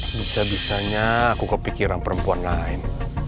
bisa bisanya aku kepikiran perempuan lain